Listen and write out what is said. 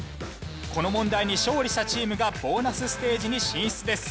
この問題に勝利したチームがボーナスステージに進出です。